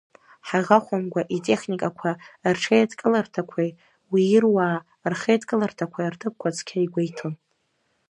Ҳаӷа хәымга итехникақәа рҽеидкыларҭақәеи уи ируаа рхеидкыларҭақәеи рҭыԥқәа цқьа игәеиҭон.